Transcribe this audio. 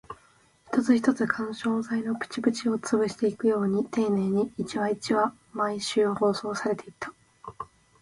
一つ一つ、緩衝材のプチプチを潰していくように丁寧に、一話一話、毎週放送されていった